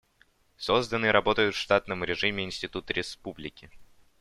Созданы и работают в штатном режиме институты Республики.